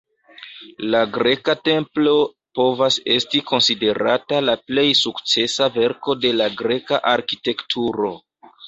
La greka templo povas esti konsiderata la plej sukcesa verko de la Greka arkitekturo.